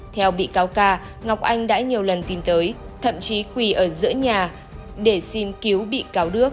theo bị cáo ca ngọc anh đã nhiều lần tìm tới thậm chí quỳ ở giữa nhà để xin cứu bị cáo đức